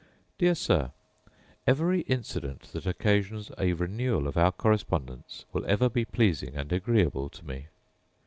Dear Sir, Every incident that occasions a renewal of our correspondence will ever be pleasing and agreeable to me.